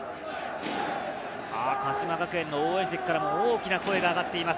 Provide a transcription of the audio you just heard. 鹿島学園の応援席からも大きな声が上がっています。